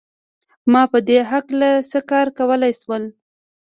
ما په دې هکله څه کار کولای شول